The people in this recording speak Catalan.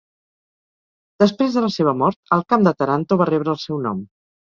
Després de la seva mort, el camp de Taranto va rebre el seu nom.